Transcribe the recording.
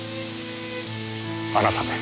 あなたです。